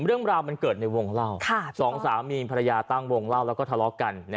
เรื่องราวมันเกิดในวงเล่าสองสามีภรรยาตั้งวงเล่าแล้วก็ทะเลาะกัน